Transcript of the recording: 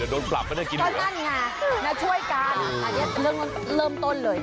เดี๋ยวโดนปรับมันได้กินตอนนั้นไงมาช่วยการอ่าเริ่มเริ่มต้นเลย